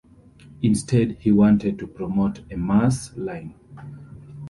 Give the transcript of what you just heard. Instead, he wanted to promote a mass line.